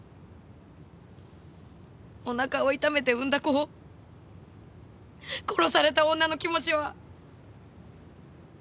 お腹を痛めて産んだ子を殺された女の気持ちは。